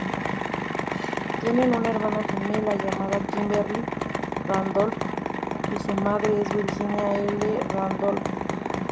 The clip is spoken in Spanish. Tiene una hermana gemela, llamada Kimberly Randolph, y su madre es Virginia L. Randolph.